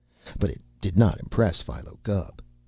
But it did not impress Philo Gubb.